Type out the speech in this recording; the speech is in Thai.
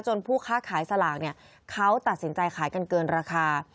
ผู้ค้าขายสลากเขาตัดสินใจขายกันเกินราคา